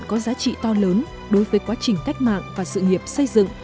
có giá trị to lớn đối với quá trình cách mạng và sự nghiệp xây dựng